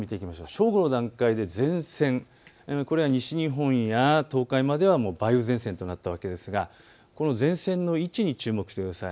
正午の段階で前線、これは西日本や東海まではもう梅雨前線となったわけですがこの前線の位置に注目してください。